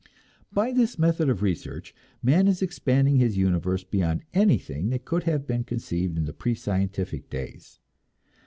By this method of research man is expanding his universe beyond anything that could have been conceived in the pre scientific days.